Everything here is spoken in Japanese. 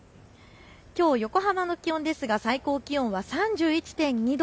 きょう横浜の気温ですが最高気温は３１．２度。